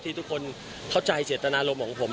ที่ทุกคนเข้าใจเศรษฐนารมณ์ของผม